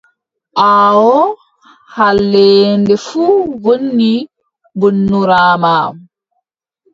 Aawoo halleende fuu woni wonnoraamaa.